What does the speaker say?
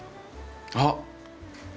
あっ！